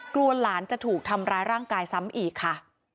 กลัวหลานจะถูกทำร้ายร่างกายซ้ำอีกค่ะ